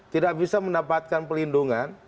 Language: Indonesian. tidak bisa mendapatkan pelindungan